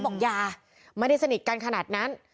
บอกอย่าไม่ได้สนิทกันขนาดนั้น